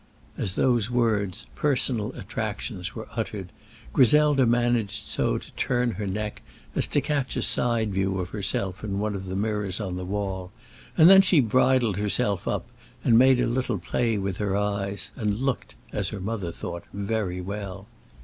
As those words "personal attractions" were uttered, Griselda managed so to turn her neck as to catch a side view of herself in one of the mirrors on the wall, and then she bridled herself up, and made a little play with her eyes, and looked, as her mother thought, very well.